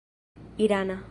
irana